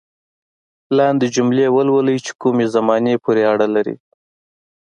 لاندې جملې ولولئ چې کومې زمانې پورې اړه لري.